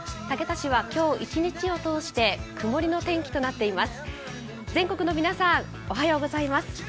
竹田市は今日一日を通して曇りの天気となっています。